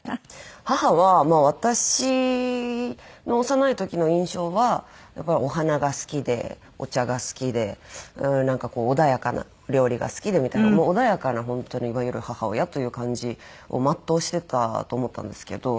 母は私の幼い時の印象はやっぱりお花が好きでお茶が好きでなんか穏やかな料理が好きでみたいな穏やかな本当にいわゆる母親という感じを全うしてたと思ったんですけど。